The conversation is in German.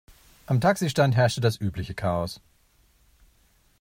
Am Taxistand herrschte das übliche Chaos.